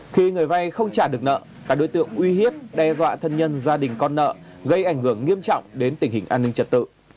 khi người vay không trả được nợ các đối tượng uy hiếp đe dọa thân nhân gia đình con nợ gây ảnh hưởng nghiêm trọng đến tình hình an ninh trật tự